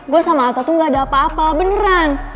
gue sama alta tuh gak ada apa apa beneran